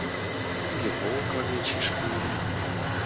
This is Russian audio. Или волк в овечьей шкуре.